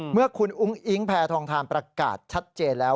เมื่อคุณอุ้งอิ๊งแพทองทานประกาศชัดเจนแล้ว